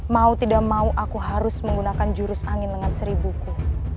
mau tidak mau aku harus menggunakan jurus angin lengan seribuku